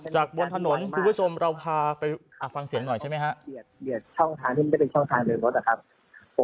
จากบนถนนคุณผู้ชมเราพาไปฟังเสียงหน่อยใช่ไหมครับ